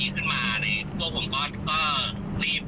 จริงแล้วครับจริงแล้วกับก็ก็ทำงานมานาน